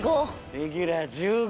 レギュラー１５！